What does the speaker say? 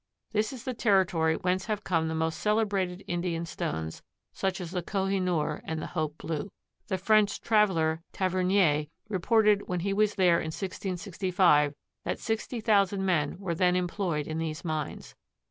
This is the territory whence have come the most celebrated Indian stones, such as the Kohinoor and the Hope Blue. The French traveler Tavernier reported when he was there in 1665, that sixty thousand men were then employed in these mines.